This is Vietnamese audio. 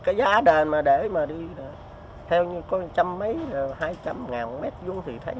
cái giá đền mà để mà đi theo như có trăm mấy hai trăm ngàn mét vô thì thấy